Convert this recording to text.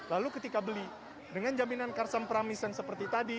lalu ketika beli dengan jaminan karsam pramission seperti tadi